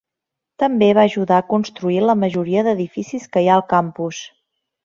També va ajudar a construir la majoria d'edificis que hi ha al campus.